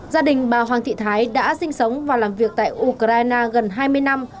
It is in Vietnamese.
gia đình bà hoàng thị thái đã sinh sống và làm việc tại ukraine gần hai mươi năm